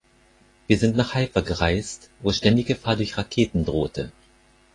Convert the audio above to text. Wir sind nach Haifa gereist, wo ständig Gefahr durch Raketen drohte.